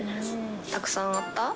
たくさんあった？